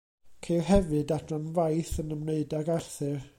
Ceir hefyd adran faith yn ymwneud ag Arthur.